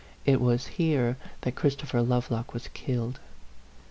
"It was here that Christopher Love lock was killed."